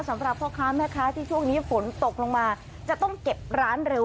สำหรับพ่อค้าแม่ค้าที่ช่วงนี้ฝนตกลงมาจะต้องเก็บร้านเร็ว